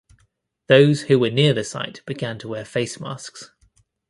Those who were near the site began to wear face masks.